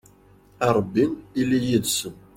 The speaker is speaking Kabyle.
a rebbi ili yid-sen